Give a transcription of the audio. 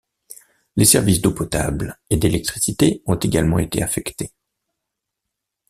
Les services d'eau potable et d'électricité ont également été affectés.